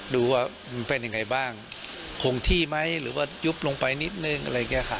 ดูว่ามันเป็นยังไงบ้างคงที่ไหมหรือว่ายุบลงไปนิดนึงอะไรอย่างนี้ค่ะ